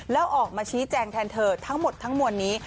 แล้วออกมาชี้แจงแทนเธอทั้งหมดทั้งมวลนี้